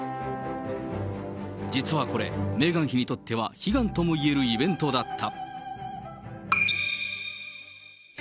実はこれ、メーガン妃にとっては悲願ともいえるイベントだった。